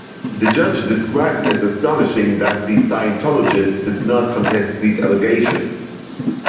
The judge described it as "astonishing" that the Scientologists did not contest these allegations.